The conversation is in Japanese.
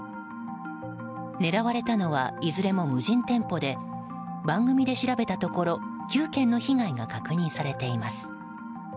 狙われたのはいずれも無人店舗で番組で調べたところ９件の被害が確認されています。